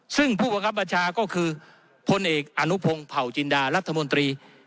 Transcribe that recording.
ซึ่งผู้บังคับบัญชาก็คือพลเอกอนุพงศ์เผาจินดารัฐมนตรี